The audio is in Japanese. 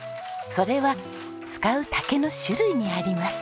それは使う竹の種類にあります。